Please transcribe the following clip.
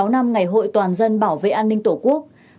một mươi sáu năm ngày hội toàn dân bảo vệ an ninh tổ quốc